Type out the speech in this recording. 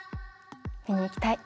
見に行きたい。